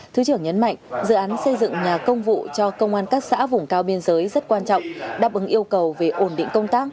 thứ trưởng nhấn mạnh dự án xây dựng nhà công vụ cho công an các xã vùng cao biên giới rất quan trọng đáp ứng yêu cầu về ổn định công tác